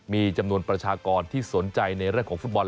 มีจำนวนประชากรที่สนใจในเรื่องของฟุตบอล